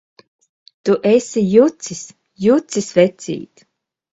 Tu esi jucis! Jucis, vecīt!